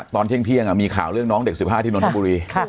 ตอนเที่ยงเที่ยงอ่ะมีข่าวเรื่องน้องเด็กสิบห้าที่นทบุรีค่ะ